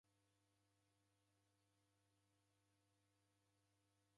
Kwasingilwa ni chumbo